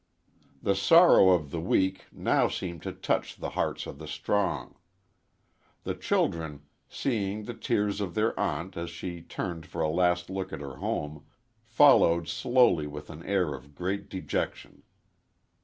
The sorrow of the weak now seemed to touch the hearts of the strong. The children, seeing the tears of their aunt as she turned for a last look at her home, followed slowly with an air of great dejection.